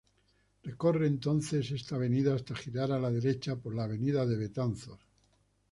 Recorre entonces esta avenida hasta girar a la derecha por la Avenida de Betanzos.